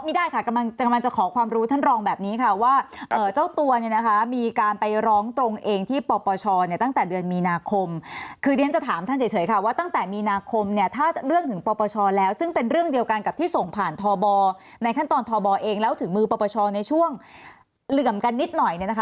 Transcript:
ได้ค่ะกำลังจะขอความรู้ท่านรองแบบนี้ค่ะว่าเจ้าตัวเนี่ยนะคะมีการไปร้องตรงเองที่ปปชเนี่ยตั้งแต่เดือนมีนาคมคือเรียนจะถามท่านเฉยค่ะว่าตั้งแต่มีนาคมเนี่ยถ้าเรื่องถึงปปชแล้วซึ่งเป็นเรื่องเดียวกันกับที่ส่งผ่านทบในขั้นตอนทบเองแล้วถึงมือปปชในช่วงเหลื่อมกันนิดหน่อยเนี่ยนะคะ